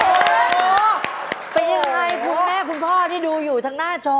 โอ้โหเป็นยังไงคุณแม่คุณพ่อที่ดูอยู่ทางหน้าจอ